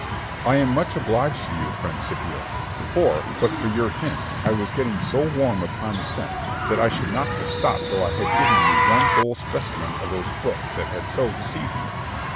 Berg. I am much obliged to you, friend Scipio; for, but for your hint, I was getting so warm upon the scent, that I should not have stopped till I had given you one whole specimen of those books that had so deceived me.